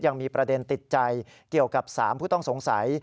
ยังมีประเด็นติดใจเกี่ยวกับ๓ผู้ต้องสงสัย